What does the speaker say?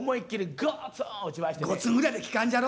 ゴツーンぐらいできかんじゃろ？